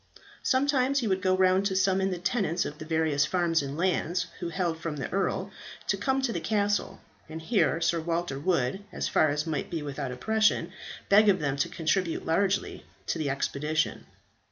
Sometimes he would go round to summon the tenants of the various farms and lands, who held from the earl, to come to the castle; and here Sir Walter would, as far as might be without oppression, beg of them to contribute largely to the expedition.